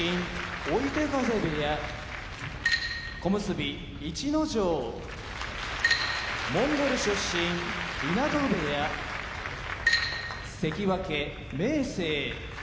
追手風部屋小結・逸ノ城モンゴル出身湊部屋関脇・明生